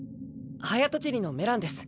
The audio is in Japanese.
はやとちりのメランです。